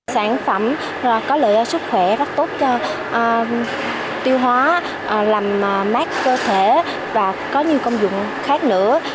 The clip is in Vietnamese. sản phẩm có lợi sức khỏe rất tốt cho tiêu hóa làm mát cơ thể và có nhiều công dụng khác nữa